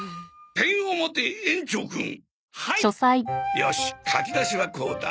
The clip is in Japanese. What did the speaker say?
よし書き出しはこうだ。